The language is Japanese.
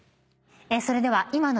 それでは今の。